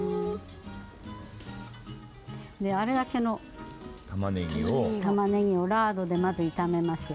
あれだけのたまねぎをラードでまず炒めます。